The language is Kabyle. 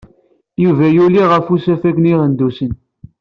Yuba yuli ɣer usafag n Iɣendusen.